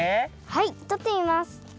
はいとってみます。